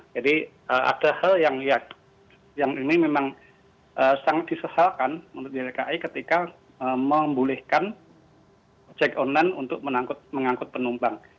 jadi ada hal yang ini memang sangat disesalkan menurut ylki ketika membolehkan check online untuk mengangkut penumpang